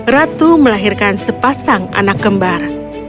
ratu melahirkan sepasang anak kembar